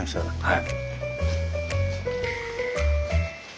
はい。